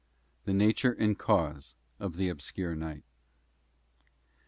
The nature and cause of the obscure night.